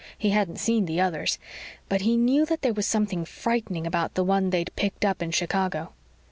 He hadn't seen the others. But he knew that there was something frightening about the one they'd picked up in Chicago.